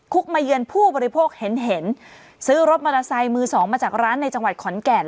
มาเยือนผู้บริโภคเห็นเห็นซื้อรถมอเตอร์ไซค์มือสองมาจากร้านในจังหวัดขอนแก่น